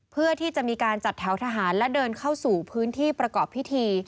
เพื่อที่จะมีการจัดแถวทหารและเดินเข้าสู่พื้นที่ประกอบพิธี